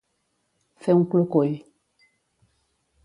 Fer un clucull.